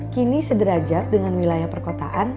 kini sederajat dengan wilayah perkotaan